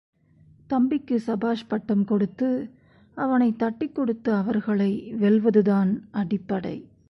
தம்பிக்கு சபாஷ் பட்டம் கொடுத்து அவனைத் தட்டிக்கொடுத்து அவர்களை வெல்வதுதான் அடிப்படை.